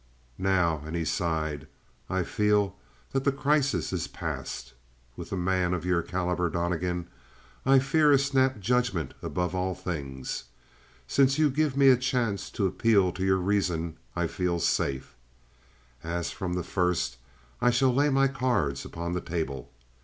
"Now," and he sighed, "I feel that the crisis is passed. With a man of your caliber, Donnegan, I fear a snap judgment above all things. Since you give me a chance to appeal to your reason I feel safe. As from the first, I shall lay my cards upon the table.